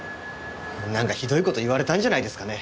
なんかひどい事言われたんじゃないですかね。